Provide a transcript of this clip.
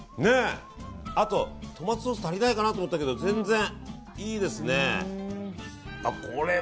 トマトソース足りないかなって思ったけど全然、いいですね。